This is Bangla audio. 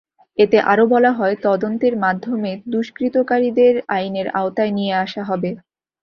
এতে আরও বলা হয়, তদন্তের মাধ্যমে দুষ্কৃতকারীদের আইনের আওতায় নিয়ে আসা হবে।